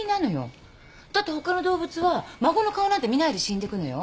だって他の動物は孫の顔なんて見ないで死んでくのよ。